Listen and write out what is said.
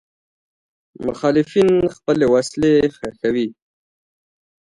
مخالفین خپل وسلې ښخوي.